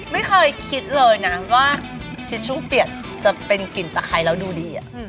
ไม่เคยคิดเลยนะว่าชิชช่วงเปียกจะเป็นกลิ่นตะไคร้แล้วดูดี